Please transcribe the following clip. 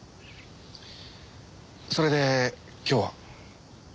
それで今日は？